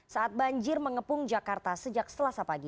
saat banjir mengepung jakarta sejak selasa pagi